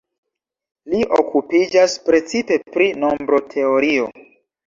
Li okupiĝas precipe pri nombroteorio.